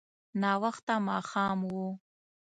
ناوخته ماښام و.